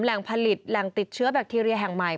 แหล่งผลิตแหล่งติดเชื้อแบคทีเรียแห่งใหม่